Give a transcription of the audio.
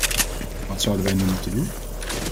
Wat zouden wij nu moeten doen?